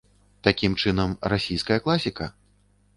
Такім чынам, расійская класіка?